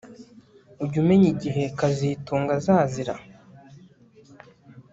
Ujya umenya igihe kazitunga azazira